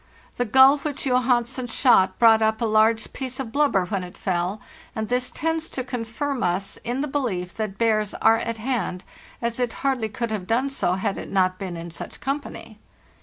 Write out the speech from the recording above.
The gull which Johansen shot brought up a large piece of blubber when it fell, and this tends to con firm us in the belief that bears are at hand, as it hardly could have done so had it not been in such company.